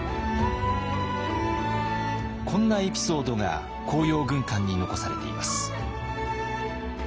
こんなエピソードが「甲陽軍鑑」に残されています。